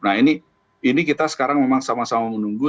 nah ini kita sekarang memang sama sama menunggu